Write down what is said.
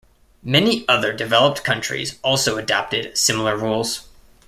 Many other developed countries also adopted similar rules.